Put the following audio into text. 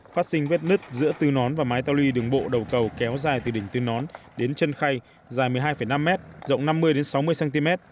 phát sinh vết nứt giữa tư nón và mái tàu luy đường bộ đầu cầu kéo dài từ đỉnh tư nón đến chân khay dài một mươi hai năm m rộng năm mươi sáu mươi cm